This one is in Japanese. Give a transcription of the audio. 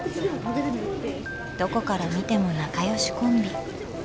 どこから見ても仲良しコンビ。